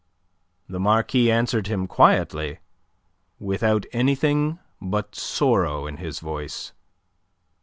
The Marquis answered him quietly, without anything but sorrow in his voice.